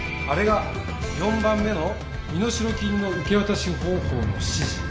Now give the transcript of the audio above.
あれが４番目の身代金の受け渡し方法の指示。